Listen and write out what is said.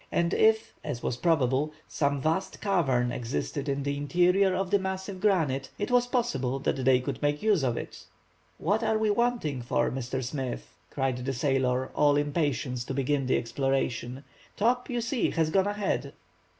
And if, as was probable, some vast cavern existed in the interior of the massive granite, it was possible that they could make use of it. "What are we waiting for, Mr. Smith," cried the sailor, all impatience to begin the exploration, "Top, you see, has gone ahead!"